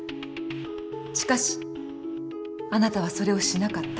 しかしあなたはそれをしなかった。